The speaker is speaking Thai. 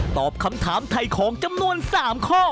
ตอบคำถามไถ่ของจำนวน๓ข้อ